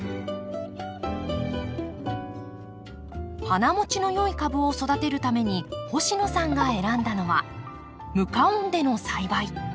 花もちのよい株を育てるために星野さんが選んだのは無加温での栽培。